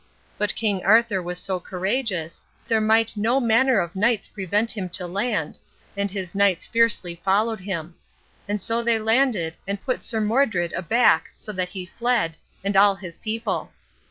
But King Arthur was so courageous, there might no manner of knights prevent him to land, and his knights fiercely followed him; and so they landed, and put Sir Modred aback so that he fled, and all his people.